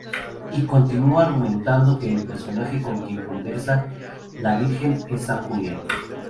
Y continúa argumentando que el personaje con quien conversa la Virgen es San Julián.